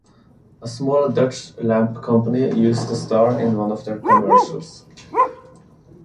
A small Dutch lamp company used the star in one of their commercials.